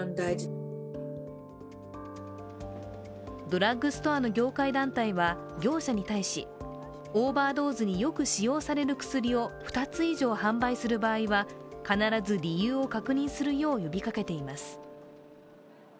ドラッグストアの業界団体は、業者に対しオーバードーズによく使用される薬を２つ以上販売する場合は必ず理由を確認するよう呼びかけています。